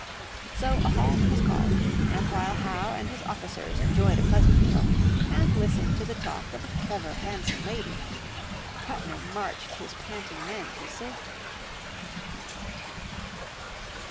So a halt was called, and while Howe and his officers enjoyed a pleasant meal, and listened to the talk of a clever, handsome lady, Putnam marched his panting men to safety.